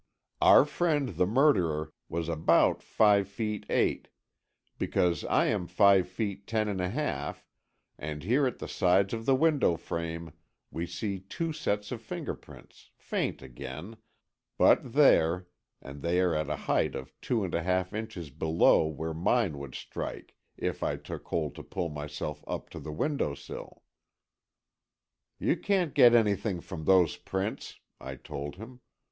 "Our friend, the murderer, was about five feet eight, because I am five feet ten and a half, and here at the sides of the window frame, we see two sets of fingerprints, faint again, but there, and they are at a height of two and a half inches below where mine would strike if I took hold to pull myself up to the window sill." "You can't get anything from those prints," I told him.